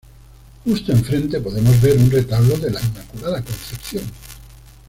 Justo enfrente podemos ver un retablo de la Inmaculada Concepción.